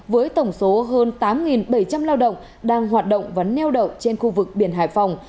với tổng số hơn tám bảy trăm linh lao động đang hoạt động và neo đậu trên khu vực biển hải phòng